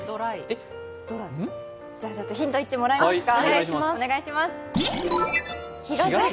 ヒント１、もらいますか。